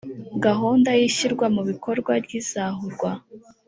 gahunda y’ishyirwa mu bikorwa ry’izahurwa